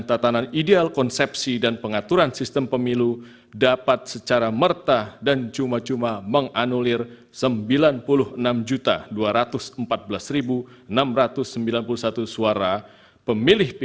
pemohon juga mengatakan bahwa kekurangan dan pelanggaran tersebut tidaklah sesuai dengan pedoman yang telah ditetapkan oleh mk berdasarkan pmk iv tahun dua ribu dua puluh tiga